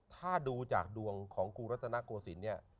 ถ้าดูจากดวงของครูรัสนาภาคโกสินเนี่ย